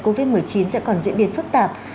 covid một mươi chín sẽ còn diễn biến phức tạp